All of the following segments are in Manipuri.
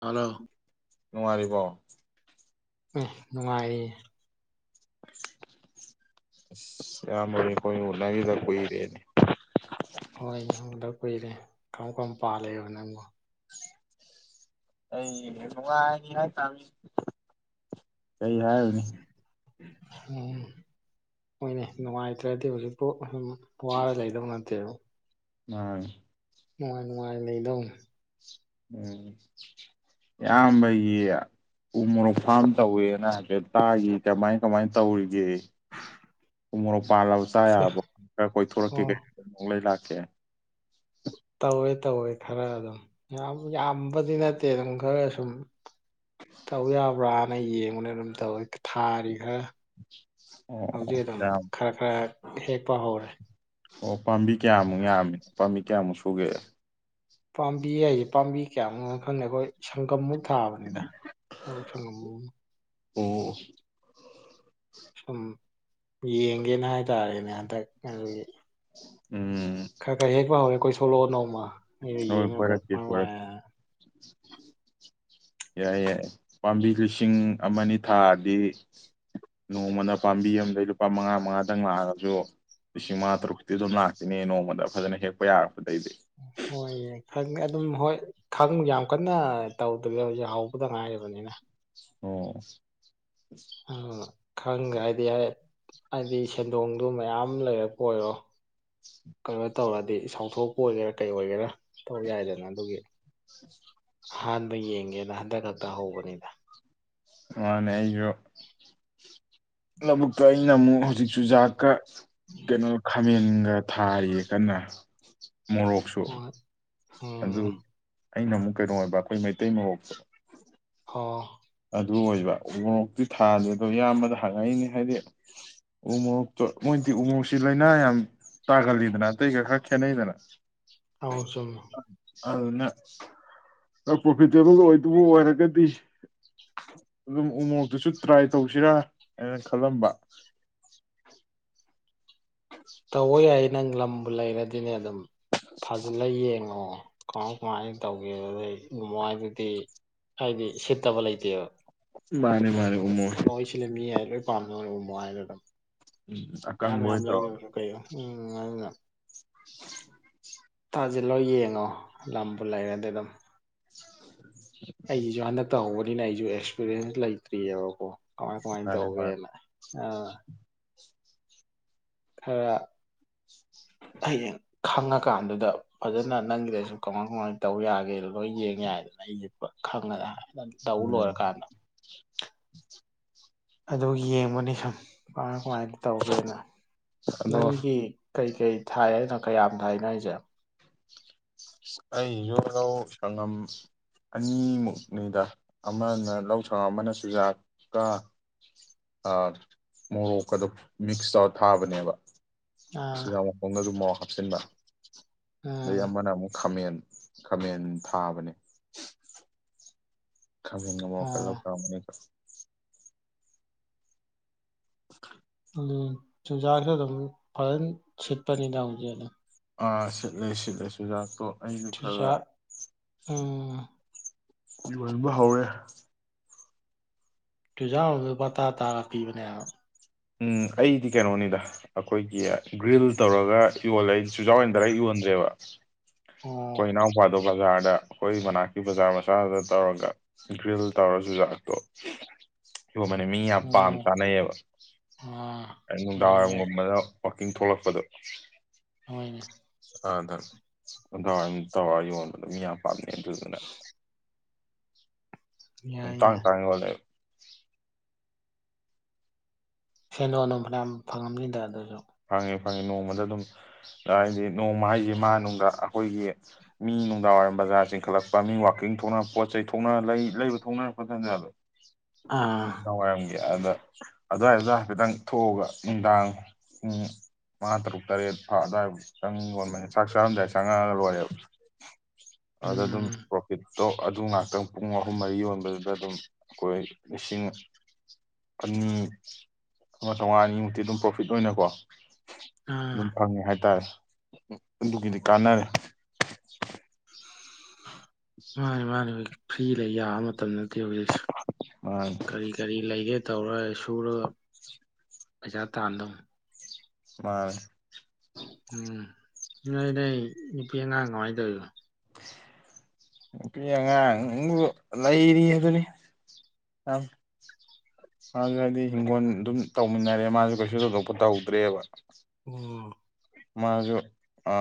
ꯍꯜꯂꯣ ꯅꯨꯡꯉꯥꯏꯔꯤꯕꯣ ꯎꯝ ꯅꯨꯡꯉꯥꯏꯔꯤꯌꯦ ꯏꯁ ꯏꯌꯥꯝꯕꯒꯤ ꯀꫭꯏꯅꯨ [unintelligible] ꯀꯨꯏꯔꯦꯅꯦ ꯍꯣꯏꯅꯦ ꯎꯗ ꯀꯨꯏꯔꯦ ꯀꯔꯝ ꯀꯔ ꯄꯜꯂꯤꯕ ꯅꯪꯕꯨ ꯑꯩ ꯅꯨꯡꯉꯥꯏꯅꯤ ꯍꯥꯏꯇꯥꯥꯅꯤ ꯀꯔꯤ ꯍꯥꯏꯔꯨꯅꯤ ꯍꯝ ꯍꫭꯏꯅꯦ ꯅꯨꯡꯉꯥꯏꯇ꯭ꯔꯗꯤ ꯍꯧꯖꯤꯛꯄꯨ ꯋꯥꯔ ꯂꯩꯗꯧ ꯅꯠꯇꯦꯕ ꯃꯅꯤ ꯅꯨꯡꯉꯥꯏ ꯅꯨꯡꯉꯥꯏ ꯂꯩꯗꯧꯅꯦ ꯎꯝ ꯑꯌꯥꯝꯕꯒꯤ ꯎ ꯃꯣꯔꯣꯛ ꯐꯥꯝ ꯇꯧꯋꯦꯅ ꯍꯥꯏꯐꯦꯠ ꯇꯥꯈꯤ ꯀꯃꯥꯏ ꯀꯃꯥꯏꯅ ꯇꯧꯔꯤꯒꯦ ꯎ ꯃꯣꯔꯣꯛ ꯄꯥꯜꯂꯕ ꯆꯥ ꯌꯥꯔꯕ ꯈꯔ ꯀꯣꯏꯊꯣꯔꯛꯀꯦ ꯑꯣ ꯀꯩꯅꯣ ꯎ ꯃꯣꯔꯣꯛ ꯂꯩ ꯂꯥꯛꯀꯦ ꯇꯧꯋꯦ ꯇꯧꯋꯦ ꯈꯔ ꯑꯗꯨꯝ ꯌꯥꯝ ꯌꯥꯝꯕꯗꯤ ꯅꯠꯇꯦ ꯑꯗꯨꯝ ꯈꯔ ꯁꯨꯝ ꯇꯧ ꯌꯥꯕ꯭ꯔꯥꯅ ꯌꯦꯡꯕꯅ ꯑꯗꯨꯝ ꯇꯧꯋꯦ ꯊꯥꯔꯤ ꯈꯔ ꯑꯣ ꯍꯧꯖꯤꯛ ꯑꯗꯨꯝ ꯌꯥꯝ ꯈꯔ ꯈꯔ ꯍꯦꯛꯄ ꯍꯧꯔꯦ ꯑꯣ ꯄꯥꯝꯕꯤ ꯀꯌꯥꯃꯨꯛ ꯌꯥꯝꯃꯤ ꯄꯥꯝꯕꯤ ꯀꯌꯥꯃꯨꯛ ꯁꯨꯒꯦ ꯄꯥꯝꯕꯤ ꯍꯥꯏꯁꯦ ꯄꯥꯝꯕꯤ ꯀꯌꯥꯃꯨꯛꯅ ꯈꯪꯅꯦ ꯑꯩꯈꯣꯏ ꯁꯪꯒꯝꯃꯨꯛ ꯊꯥꯕꯅꯤꯗ ꯂꯧ ꯁꯪꯉꯝ ꯑꯃ ꯑꯣ ꯁꯨꯝ ꯌꯦꯡꯒꯦꯅ ꯍꯥꯏꯇꯥꯔꯦꯅꯦ ꯍꯟꯗꯛ ꯑꯗꯨꯒꯤ ꯎꯝ ꯈꯔ ꯈꯔ ꯍꯦꯛꯄ ꯍꯧꯔꯦ ꯑꯩꯈꯣꯏ ꯁꯣꯂꯣ ꯅꯣꯡꯃ ꯍꯣꯏ ꯌꯦꯡꯉꯒ ꯀꯣꯏꯔꯛꯀꯦ ꯀꯣꯏꯔꯛꯀꯦ [unintelligible] [inaudible] ꯌꯥꯏ ꯌꯥꯏ ꯄꯥꯝꯕꯤ ꯂꯤꯁꯤꯡ ꯑꯃ ꯑꯅꯤ ꯊꯥꯔꯗꯤ ꯅꯣꯡꯃꯗ ꯄꯥꯝꯕꯤ ꯑꯃꯗꯒꯤ ꯂꯨꯄꯥ ꯃꯉꯥ ꯃꯉꯥꯗꯪ ꯂꯥꯛꯑꯁꯨ ꯂꯤꯁꯤꯡ ꯃꯉꯥ ꯇꯔꯨꯛꯇꯤ ꯑꯗꯨꯝ ꯂꯥꯛꯇꯅꯦ ꯅꯣꯡꯃꯗ ꯐꯖꯅ ꯍꯦꯛꯄ ꯌꯥꯔꯛꯄꯗꯩꯗꯤ ꯍꯣꯏꯌꯦ ꯈꯪꯉꯦ ꯑꯗꯨꯝ ꯍꯣꯏ ꯈꯪ ꯌꯥꯝ ꯀꯟꯅ ꯇꯧꯗꯕ ꯍꯧꯕꯗ ꯉꯥꯏꯔꯤꯕꯅꯤꯅ ꯑꯣ ꯑ ꯈꯪ ꯍꯥꯏꯗꯤ ꯌꯥ ꯍꯥꯏꯗꯤ ꯁꯦꯟꯗꯣꯡꯗꯨ ꯃꯌꯥꯝ ꯂꯩꯔꯛꯄ ꯑꯣꯏꯔꯣ ꯀꯩꯅꯣ ꯇꯧꯔꯗꯤ ꯏꯁꯥꯎꯊꯣꯛꯄ ꯑꯣꯏꯒꯦꯔꯥ ꯀꯩ ꯑꯣꯏꯒꯦꯔꯥ ꯇꯥꯛ ꯌꯥꯏꯗꯅ ꯑꯗꯨꯒꯤ ꯑꯍꯥꯟꯕ ꯌꯦꯡꯒꯦꯅ ꯍꯟꯗꯛ ꯈꯛꯇ ꯍꯧꯕꯅꯤꯗ ꯃꯥꯅꯦ ꯑꯩꯣ ꯂꯧꯕꯨꯛꯀ ꯑꯩꯅ ꯑꯃꯨꯛ ꯍꯧꯖꯤꯛꯁꯨ ꯖꯥꯥꯛꯀ ꯀꯩꯅꯣ ꯈꯥꯃꯦꯟꯒ ꯊꯥꯔꯤꯌꯦ ꯀꯟꯅ ꯃꯣꯔꯣꯛ ꯁ ꯍꯣꯏ ꯑꯗꯨ ꯎꯝ ꯑꯩꯅ ꯑꯃꯨꯛ ꯀꯩꯅꯣ ꯑꯣꯏꯕ ꯑꯩꯈꯣꯏ ꯃꯩꯇꯩ ꯃꯣꯛꯇꯣ ꯍ ꯑꯗꯨ ꯑꯣꯏꯕ ꯎꯣꯔꯣꯛꯇꯤ ꯊꯥꯗꯦ ꯑꯗꯣ ꯏꯌꯥꯝꯕꯗ ꯍꯪꯉꯛꯏꯅꯦ ꯍꯥꯏꯗꯤ ꯎꯃꯣꯛꯇꯣ ꯃꯣꯏꯗꯤ ꯎꯃꯣꯛꯁꯤ ꯂꯥꯏꯅꯥ ꯌꯥꯝ ꯇꯥꯒꯜꯗꯅ ꯑ ꯑꯗꯨꯩꯒ ꯈꯥ ꯈꯌꯥꯅꯦ ꯏꯗꯅ ꯑ ꯆꯂꯣ ꯑꯗꯨꯅ ꯄ꯭ꯔꯣꯐꯤꯇꯦꯕꯜ ꯑꯣꯏꯗꯨꯕꯨ ꯑꯣꯏꯔꯒꯗꯤ ꯑꯗꯨꯝ ꯎꯃꯣꯛꯇꯨꯁꯨ ꯇ꯭ꯔꯥꯏ ꯇꯧꯁꯤꯔꯥ ꯍꯥꯏꯅ ꯈꯜꯂꯝꯕ ꯇꯋ ꯌꯥꯏ ꯅꯪ ꯂꯝꯕꯨ ꯂꯩꯔꯗꯤꯅꯦ ꯑꯗꯨꯝ ꯐꯥꯖꯤꯜꯂ ꯌꯦꯡꯉꯣ ꯀꯃꯥꯏ ꯀꯃꯥꯏꯅ ꯇꯧꯒꯦꯕ ꯑꯗꯨꯗꯩ ꯃꯏꯗꯨꯗꯤ ꯍꯥꯏꯗꯤ ꯁꯤꯠꯇꯕ ꯂꯩꯇꯦꯕ ꯃꯥꯅꯦꯦ ꯃꯥꯅꯦꯦ ꯎꯃꯣꯎꯜ ꯃꯣꯏ ꯁꯤꯅ ꯃꯤ ꯍꯥꯏ ꯂꯣꯏ ꯄꯥꯝꯅꯕꯅ ꯎꯃꯣ ꯍꯥꯏꯅ ꯑꯗꯨꯝ ꯎꯝ ꯃꯌꯥꯝ ꯑꯀꯪꯕ ꯃꯌꯥꯝ ꯑꯣꯏꯅ ꯂꯩꯅꯕ ꯇꯧꯔꯒ ꯀꯣ ꯎꯝ [inaudible] ꯇꯥꯁꯤꯜꯂꯣ ꯌꯦꯡꯉꯣ ꯂꯝꯕꯨ ꯂꯩꯔꯗꯤ ꯑꯗꯨꯝ ꯑꯩꯁꯤꯁꯨ ꯍꯟꯗꯛ ꯇ ꯍꯧꯕꯅꯤꯅ ꯑꯩꯁꯨ ꯑꯦꯛꯁꯄꯤꯔꯤꯌꯦꯟꯁ ꯂꯩꯇ꯭ꯔꯤꯑꯕꯀꯣ ꯀꯃꯥꯏ ꯀꯃꯥꯏꯅ ꯃꯥꯅꯦ ꯃꯥꯅꯦ ꯇꯧꯒꯦꯅ ꯑꯥ ꯈꯔ ꯍꯌꯦꯡ ꯈꯪꯉꯀꯥꯟꯗꯨꯗ ꯐꯖꯅ ꯅꯪꯒꯤꯗꯁꯨ ꯀꯃꯥꯏ ꯀꯃꯥꯏꯅ ꯇꯧ ꯌꯥꯒꯦꯗ ꯂꯣꯏ ꯌꯦꯡ ꯌꯥꯏꯗꯅ ꯑꯩꯁꯦ ꯈꯪꯉꯒ ꯍꯥꯏꯦ ꯧ ꯎꯝ ꯂꯣꯏꯔꯀꯥꯟꯗ ꯑꯗꯨ ꯌꯦꯡꯕꯅꯤ ꯁꯨꯝ ꯀꯃꯥꯏ ꯀꯃꯥꯏꯅ ꯇꯧꯒꯦꯅ ꯑꯗꯣ ꯅꯪꯒꯤ ꯀꯩꯀꯩ ꯊꯥꯏꯅ ꯀꯌꯥꯝ ꯊꯥꯏꯅꯣ ꯍꯥꯏꯁꯦ ꯑꯩ ꯌꯣ ꯂꯧꯧ ꯁꯪꯉꯝ ꯑꯅꯤꯃꯨꯛꯅꯤꯗ ꯑꯃꯅ ꯂꯧ ꯁ ꯑꯃꯅ ꯆꯨꯖꯥꯛꯀ ꯃꯣꯔꯣꯛꯀ ꯑꯗꯨ ꯃꯤꯛꯁ ꯇꯧꯔ ꯊꯥꯕꯅꯦꯕ ꯑꯥ ꯑꯁꯤꯤꯟꯖ ꯃꯈꯣꯡ ꯑꯗꯨ ꯃꯍꯥꯎ ꯍꯥꯞꯆꯤꯟꯕ ꯎꯝ ꯑꯗꯩ ꯑꯃꯅ ꯑꯃꯨꯛ ꯈꯥꯃꯦꯟ ꯈꯥꯃꯦꯟ ꯊꯥꯕꯅꯦ ꯈꯕꯅ ꯃꯣꯀꯂ ꯑꯣ ꯀꯅꯤ [unintelligible] ꯆꯨꯖꯥꯛꯁꯨ ꯑꯗꯨꯝ ꯐꯖꯅ ꯁꯤꯠꯄꯅꯤꯅ ꯍꯧꯖꯤꯛ ꯑꯗꯨꯝ ꯑꯥ ꯁꯤꯠꯂꯦ ꯁꯤꯠꯂꯦ ꯆꯨꯖꯥꯛꯇꯣ ꯑꯩꯁꯨ ꯈꯔ ꯆꯤꯖꯥ ꯎ ꯌꯣꯟꯕ ꯍꯧꯔꯦ ꯆꯨꯖꯥꯎꯗ ꯄꯇꯥ ꯇꯥꯔꯒ ꯄꯤꯕꯅꯦ ꯎꯝ ꯑꯩꯗꯤ ꯀꯩꯅꯣꯅꯤꯗ ꯑꯩꯈꯣꯏꯒꯤ ꯒ꯭ꯔꯤꯜ ꯇꯧꯔꯒ ꯌꯣꯜꯂꯦ ꯆꯨꯖꯥꯎ ꯑꯣꯏꯅ ꯔꯦꯛ ꯌꯣꯟꯗ꯭ꯔꯦꯕ ꯑꯣ ꯑꯩꯈꯣꯏ ꯏꯅꯥꯎꯄꯥꯗꯣ ꯕꯖꯥꯔꯗ ꯑꯩꯈꯣꯏ ꯃꯅꯥꯛꯀꯤ ꯕꯖꯥꯔ ꯃꯆꯥꯗ ꯇꯧꯔꯒ ꯗꯒ꯭ꯔꯤꯜ ꯇꯧꯔ ꯆꯨꯖꯥꯛꯇꯣ ꯁꯤꯣꯟꯕꯅꯦ ꯃꯤ ꯌꯥꯝ ꯄꯥꯝ ꯑꯣ ꯆꯥꯅꯩꯌꯦꯕ ꯑꯥ ꯑ ꯌꯥꯏ ꯌꯥꯏ ꯅꯨꯡꯗꯥꯡꯋꯥꯏꯔꯝꯒꯨꯝꯕꯅ ꯋꯥꯛꯀꯤꯡ ꯊꯣꯛꯂꯛꯄꯗꯣ ꯍꯣꯏꯅꯦ ꯑꯗꯋꯥꯏ ꯇꯋꯥꯏ ꯌꯣꯟꯕꯗ ꯃꯤ ꯌꯥꯝ ꯄꯥꯝꯅꯩ ꯑꯗꯨꯗꯨꯅ [unintelligible] ꯌꯥꯏ ꯇꯥꯡ ꯌꯥꯏ ꯊꯥꯡꯉꯦꯣꯦ ꯁꯦꯟ ꯂꯣꯟ ꯑꯗꯨꯅꯨꯡ ꯐꯅꯌꯥꯝ ꯐꯪꯉꯝꯅꯤꯗ ꯑꯗꯨꯁꯨ ꯐꯪꯉꯦ ꯐꯪꯉꯦ ꯅꯣꯡꯃꯗ ꯑꯗꯨꯝ ꯍꯥꯏꯗꯤ ꯅꯣꯡꯃ ꯍꯥꯏꯁꯦ ꯃꯥꯅꯨꯡ ꯑꯩꯈꯣꯏꯒꯤ ꯃꯤ ꯅꯨꯡꯗꯥꯡꯋꯥꯏꯔꯝ ꯕꯖꯥꯔ ꯆꯤꯡꯈꯠꯂꯛꯄ ꯃꯤ ꯋꯥꯛꯀꯤꯡ ꯊꯣꯛꯅ ꯄꯣꯠ ꯆꯩ ꯊꯣꯛꯅ ꯂꯩ ꯂꯩꯕ ꯊꯣꯛꯅꯔꯛꯄꯖꯟꯖꯗꯣ ꯑꯥ ꯅꯨꯡꯡ ꯋꯥꯏꯔꯝꯒꯦ ꯑꯗ ꯑꯗꯨꯋꯥꯏꯗꯨꯗ ꯍꯥꯏꯐꯦꯠꯇꯪ ꯊꯣꯛꯑꯒ ꯅꯨꯡꯗꯥꯡ ꯄꯨꯡ ꯃꯉꯥ ꯇꯔꯨꯛ ꯇꯔꯦꯠ ꯐꯥ ꯑꯗꯨꯋꯥꯏꯐꯥꯎ ꯆꯪ ꯌꯣꯟꯕꯅꯤ ꯆꯥꯛ ꯆꯥꯔꯝꯗꯥꯏꯗ ꯆꯪꯉꯛꯑꯒ ꯂꯣꯏꯔꯦꯕ ꯑꯗ ꯑꯗꯨꯝ ꯎꯝ ꯄ꯭ꯔꯣꯐꯤꯠ ꯑꯗꯨ ꯉꯥꯛꯇꯪ ꯄꯨꯡ ꯑꯍꯨꯝ ꯃꯔꯤ ꯌꯣꯟꯕꯗꯨꯗ ꯑꯗꯨꯝ ꯑꯩꯈꯣꯏ ꯂꯤꯁꯤꯡ ꯑꯅꯤ ꯑꯃ ꯇꯣꯉꯥ ꯑꯅꯤꯃꯨꯛꯇꯤ ꯑꯗꯨꯝ ꯄ꯭ꯔꯣꯐ ꯐꯤꯠ ꯑꯣꯏꯅꯀꯣ ꯑꯥ ꯑꯗꯨꯝ ꯐꯪꯉꯦ ꯍꯥꯏꯇꯥꯔꯦ ꯑꯗꯨꯒꯤꯗꯤ ꯀꯥꯟꯅꯔꯦ ꯃꯥꯅꯤ ꯃꯥꯅꯤ ꯍꯧ ꯐ꯭ꯔꯤ ꯂꯩ ꯌꯥꯕ ꯃꯇꯝ ꯅꯠꯇꯦ ꯍꯧꯖꯤꯛꯁꯨ ꯑ ꯀꯔꯤ ꯀꯔꯤ ꯂꯩꯒꯦ ꯇꯧꯔ ꯁꯨꯔ ꯄꯩꯁꯥ ꯇꯥꯟꯗꯧ ꯃꯥꯅꯦ ꯎꯝ ꯅꯣꯏ ꯅꯣꯏ ꯅꯨꯄꯤ ꯑꯉꯥꯡ ꯀꯃꯥꯏꯅ ꯇꯧꯅꯣ ꯅꯨꯄꯤ ꯑꯉꯥꯡꯕꯨ ꯂꯩꯔꯤ ꯑꯗꯨꯅꯤ ꯑꯪ ꯃꯥꯁꯨ ꯍꯥꯏꯗꯤ ꯍꯤꯡꯈꯣꯜ ꯑꯗꯨꯝ ꯇꯧꯃꯤꯟꯅꯔꯦ ꯃꯥꯁꯨ ꯀꯩꯁꯨ ꯊꯣꯏꯗꯣꯛꯄ ꯇꯧꯗ꯭ꯔꯦꯕ ꯎꯝ ꯃꯁꯨ ꯑ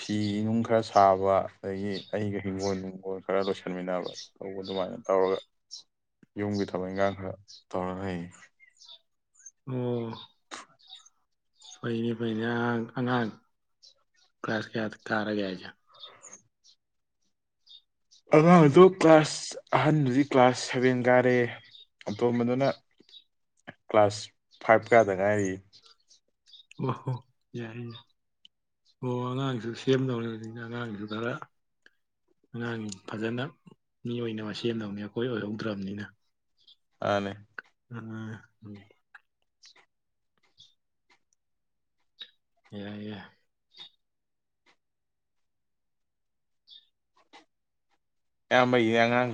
ꯐꯤ ꯅꯨꯡ ꯈꯔ ꯁꯥꯕ ꯑꯗꯒꯤ ꯑꯩꯒ ꯍꯤꯡꯒꯣꯜ ꯅꯨꯡꯒꯣꯜ ꯈꯔ ꯂꯣꯏꯁꯟꯃꯤꯟꯅꯕ ꯇꯧꯕ ꯑꯗꯨꯃꯥꯏꯅ ꯇꯧꯔꯒ ꯌꯨꯝꯒꯤ ꯊꯕꯛ ꯏꯟꯈꯥꯡ ꯈꯔ ꯇꯧꯔ ꯍꯩꯌꯦ ꯎꯝ ꯐꯩꯅꯤ ꯐꯩꯅꯦ ꯑꯉꯥꯡ ꯑꯉꯥꯡ ꯀ꯭ꯂꯥꯁ ꯀꯌꯥꯗ ꯀꯥꯔꯒꯦ ꯍꯥꯏꯁꯦ ꯑꯉꯥꯡꯗꯣ ꯀ꯭ꯂꯥꯁ ꯑꯍꯟꯥꯟꯕꯗꯤ ꯀ꯭ꯂꯥꯁ ꯁꯚꯦꯟ ꯀꯥꯔꯦ ꯑꯇꯣꯝꯕꯗꯨꯅ ꯀ꯭ꯂꯥꯁ ꯐꯥꯏꯚꯀꯗ ꯉꯥꯏꯔꯤ ꯋꯥꯣ ꯌꯥꯏꯏꯅꯦ ꯑꯣ ꯑꯉꯥꯡꯁꯨ ꯁꯦꯝꯗꯧꯔꯤꯕꯅꯤꯅ ꯑꯉꯥꯡꯁꯨ ꯈꯔ ꯑꯉꯥꯡꯁꯤꯡ ꯐꯖꯅ ꯃꯤ ꯑꯣꯏꯅꯕ ꯁꯦꯝꯗꯧꯅꯤ ꯑꯩꯈꯣꯏ ꯑꯣꯏꯍꯧꯗ꯭ꯔꯕꯅꯤꯅ ꯑꯅꯦ ꯎꯝ ꯎꯝ ꯌꯥ ꯌꯥ ꯌꯥꯝꯌꯥꯝꯗꯤ ꯌꯥꯉꯥꯡ